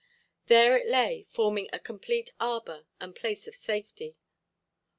There it lay, forming a complete arbor and place of safety.